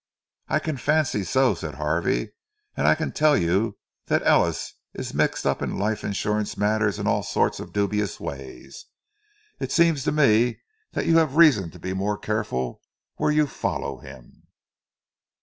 "I can fancy so," said Harvey. "And I can tell you that Ellis is mixed up in life insurance matters in all sorts of dubious ways. It seems to me that you have reason to be most careful where you follow him."